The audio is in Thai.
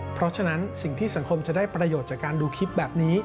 เพราะฉะนั้นสิ่งที่สังคมจะได้ประโยชน์จากการดูคลิปแบบนี้